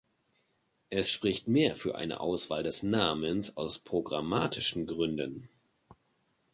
Es spricht mehr für eine Auswahl des Namens aus programmatischen Gründen.